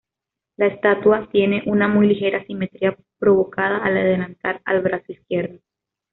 La estatua tiene una muy ligera asimetría provocada al adelantar el brazo izquierdo.